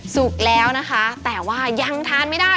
สุกแล้วนะคะแต่ว่ายังทานไม่ได้